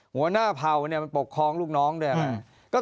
หัวหน้าเผาเนี่ยมันปกครองลูกน้องด้วยไหม